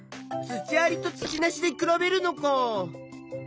土ありと土なしで比べるのか。